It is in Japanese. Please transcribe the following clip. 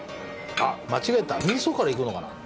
間違えたみそからいくのかな？